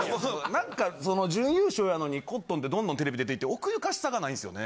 ・何か準優勝やのにコットンってどんどんテレビ出ていって奥ゆかしさがないんすよね。